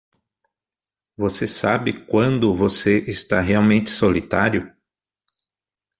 Você sabe quando você está realmente solitário?